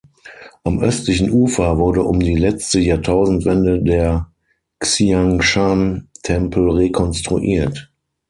Am östlichen Ufer wurde um die letzte Jahrtausendwende der Xiangshan-Tempel rekonstruiert.